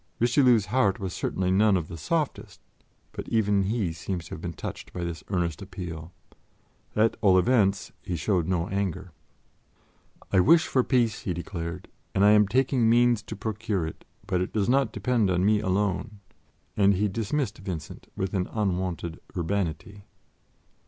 Richelieu's heart was certainly none of the softest, but even he seems to have been touched by this earnest appeal. At all events, he showed no anger. "I wish for peace," he declared, "and I am taking means to procure it, but it does not depend on me alone"; and he dismissed Vincent with an unwonted urbanity.